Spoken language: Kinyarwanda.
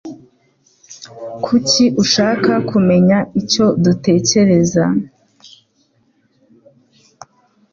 Kuki ushaka kumenya icyo dutekereza?